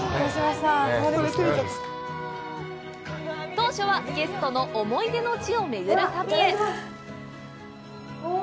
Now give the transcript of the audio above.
当初はゲストの思い出の地を巡る旅へ。